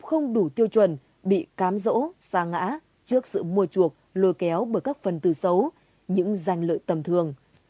không đủ tiêu chuẩn bị cám dỗ xa ngã trước sự mua chuộc lôi kéo bởi các phần từ xấu những danh lợi tầm thường